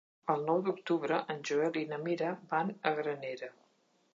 El nou d'octubre en Joel i na Mira van a Granera.